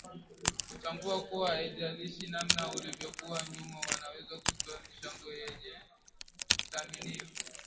kutambua kuwa haijalishi namna ulivyokuwa nyuma wanaweza kutoa michango yenye kuthaminiwa